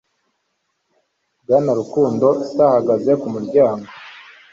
Bwana rukundo s ahagaze kumuryango